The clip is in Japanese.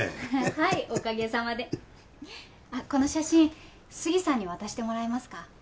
はいおかげさまであっこの写真杉さんに渡してもらえますか？